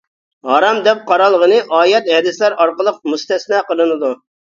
ھارام دەپ قارالغىنى ئايەت، ھەدىسلەر ئارقىلىق مۇستەسنا قىلىنىدۇ.